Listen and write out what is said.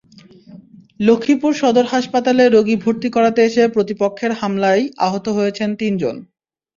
লক্ষ্মীপুর সদর হাসপাতালে রোগী ভর্তি করাতে এসে প্রতিপক্ষের হামলায় আহত হয়েছেন তিনজন।